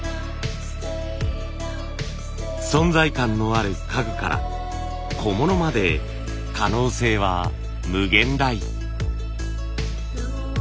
存在感のある家具から小物まで可能性は無限大。